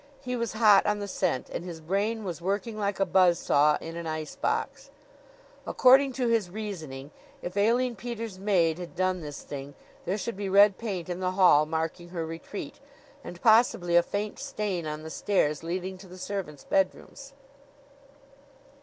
He was hot on the scent and his brain was working like a buzz saw in an ice box. According to his reasoning, if Aline Peters' maid had done this thing there should be red paint in the hall marking her retreat, and possibly a faint stain on the stairs leading to the servants' bedrooms.